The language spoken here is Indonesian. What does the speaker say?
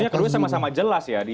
harusnya kedua sama sama jelas ya